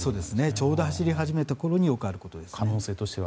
ちょうど走り始めたころによくあることです。